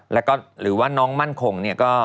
แล้วก็หรือว่าน้องมั่นคง